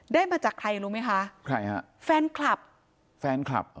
มาจากใครรู้ไหมคะใครฮะแฟนคลับแฟนคลับ